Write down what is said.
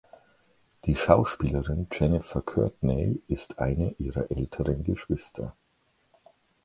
Die Schauspielerin Jennifer Courtney ist eine ihrer älteren Geschwister.